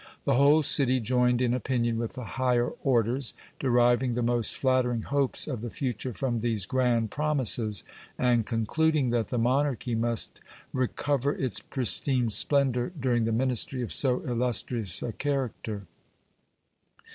The whole city join ed in opinion with the higher orders, deriving the most flattering hopes of the future from these grand promises, and concluding that the monarchy must re cover its pristine splendour during the ministry of so illustrious a character.